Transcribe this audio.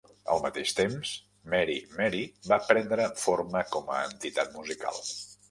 Al mateix temps, Mary Mary va prendre forma com a entitat musical.